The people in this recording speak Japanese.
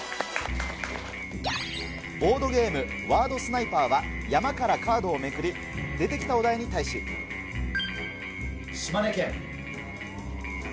ボードゲーム、ワードスナイパーは、山からカードをめくり、島根県。